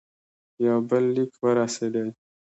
یو بل لیک ورسېدی.